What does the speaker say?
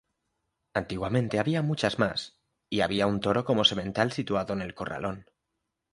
Antiguamente había muchas más y había un toro como semental situado en el corralón.